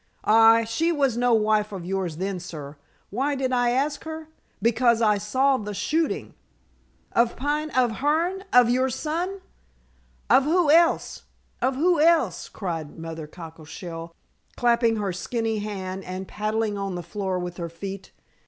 "Hai, she was no wife of yours then, sir. Why did I ask her? Because I saw the shooting " "Of Pine of Hearne of your son?" "Of who else? of who else?" cried Mother Cockleshell, clapping her skinny hand and paddling on the floor with her feet.